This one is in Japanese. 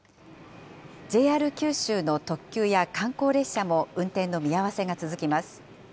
ＪＲ九州の特急や観光列車も運転の見合わせが続きます。